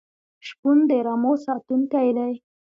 شپون د رمو ساتونکی دی.